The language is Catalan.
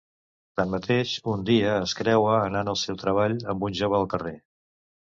Tanmateix, un dia, es creua, anant al seu treball, amb un jove al carrer.